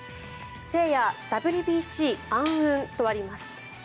誠也、ＷＢＣ暗雲とあります。